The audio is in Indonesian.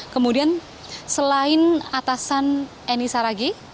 kemudian selain atasan eni saragi